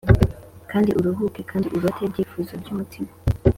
kandi uruhuke kandi urote ibyifuzo byumutima.